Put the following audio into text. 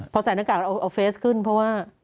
เป็นเหตุการณ์เอาเฟซขึ้นเพราะว่า